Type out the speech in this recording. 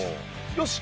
よし！